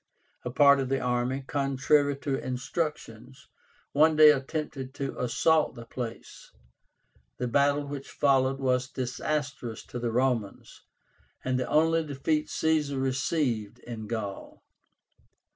A part of the army, contrary to instructions, one day attempted to assault the place. The battle which followed was disastrous to the Romans, and the only defeat Caesar received in Gaul.